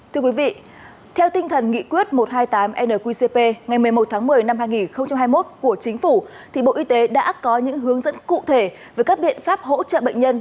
thưa quý vị theo tinh thần nghị quyết một trăm hai mươi tám nqcp ngày một mươi một tháng một mươi năm hai nghìn hai mươi một của chính phủ thì bộ y tế đã có những hướng dẫn cụ thể về các biện pháp hỗ trợ bệnh nhân